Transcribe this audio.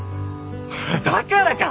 だからか！